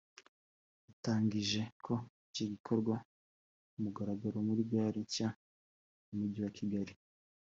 yatangije ko icyo gikorwa ku mugaragaro muri gare nshya y’Umujyi wa Kigali